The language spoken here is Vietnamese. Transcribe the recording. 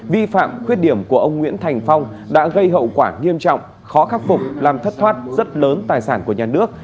vi phạm khuyết điểm của ông nguyễn thành phong đã gây hậu quả nghiêm trọng khó khắc phục làm thất thoát rất lớn tài sản của nhà nước